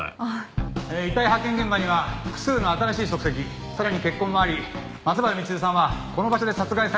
遺体発見現場には複数の新しい足跡さらに血痕があり松原みちるさんはこの場所で殺害されたと推測される。